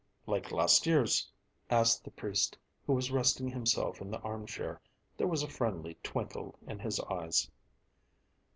"Like last year's?" asked the priest, who was resting himself in the armchair. There was a friendly twinkle in his eyes.